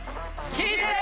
聴いてね！